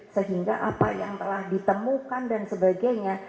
sehingga apa yang telah ditemukan dan sebagainya